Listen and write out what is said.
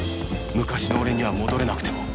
昔の俺には戻れなくても